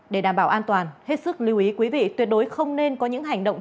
để đảm bảo an toàn hết sức lưu ý quý vị tuyệt đối không nên có những hành động